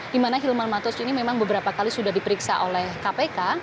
di mana hilman matos ini memang beberapa kali sudah diperiksa oleh kpk